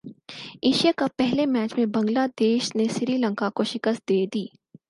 Asia cup پہلے match میں Bangladesh نے سری لنکا کو شکست دیدی